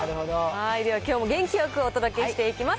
きょうも元気よくお届けしていきます。